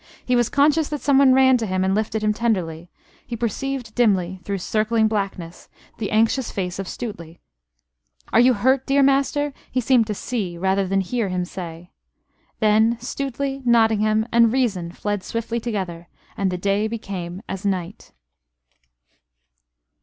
He was conscious that someone ran to him and lifted him tenderly: he perceived dimly, through circling blackness, the anxious face of Stuteley. "Are you hurt, dear master?" he seemed to see, rather than hear, him say. Then Stuteley, Nottingham, and reason fled swiftly together, and the day became as night.